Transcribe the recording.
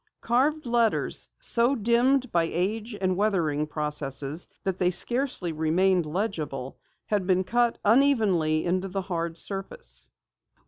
Carved letters, so dimmed by age and weathering processes that they scarcely remained legible, had been cut unevenly in the hard surface.